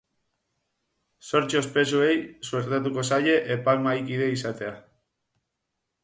Zortzi ospetsuei suertatuko zaie epaimahaikide izatea.